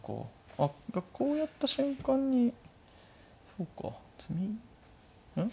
あっこうやった瞬間にそうか詰みうん？